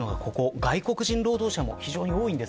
外国人労働者も非常に多いです。